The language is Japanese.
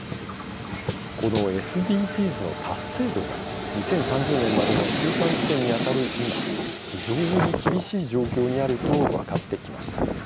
このＳＤＧｓの達成度が２０３０年までの中間地点に当たる今非常に厳しい状況にあると分かってきました。